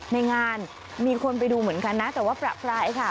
ในงานมีคนไปดูเหมือนกันนะแต่ว่าประปรายค่ะ